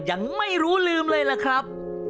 ยังไม่รู้ลืมเลยล่ะครับ